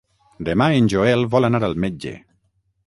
Demà en Joel vol anar al metge.